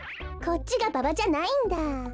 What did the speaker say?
こっちがババじゃないんだ。